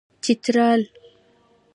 چترال